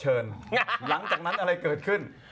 หลังจากนั้นอะไรเกิดขึ้น